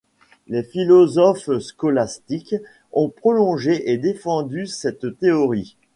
Les philosophes scolastiques ont prolongé et défendu cette théorie.